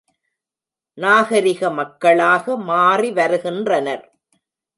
நாகரிக மக்களாக மாறிவருகின்றனர்.